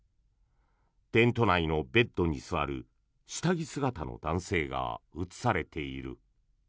テント内のベッドに座る下着姿の男性が写されている。